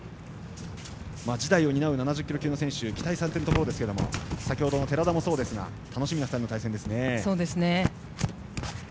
次代を担う７０キロ級の選手期待されていますが先ほどの寺田もそうですが楽しみな２人の対戦ですね。